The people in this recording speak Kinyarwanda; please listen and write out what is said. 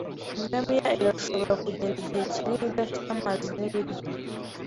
Ingamiya irashobora kugenda igihe kinini idafite amazi nibiryo.